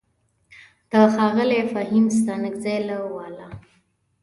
د ښاغلي فهيم ستانکزي له واله: